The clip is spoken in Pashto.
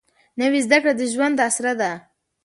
نوې زده کړه د ژوند اسره ده